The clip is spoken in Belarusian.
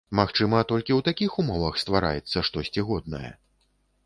Магчыма, толькі ў такіх умовах ствараецца штосьці годнае?